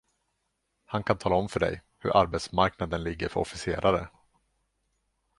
Han kan tala om för dig, hur arbetsmarknaden ligger för officerare.